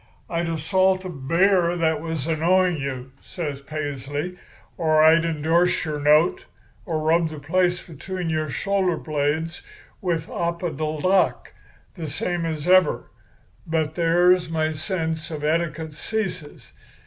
I'd assault a bear that was annoying you,' says Paisley, 'or I'd endorse your note, or rub the place between your shoulder blades with opodeldoc the same as ever; but there my sense of etiquette ceases.